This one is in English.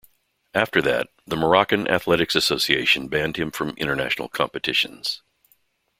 After that, the Moroccan Athletics Association banned him from international competitions.